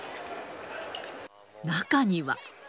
中には。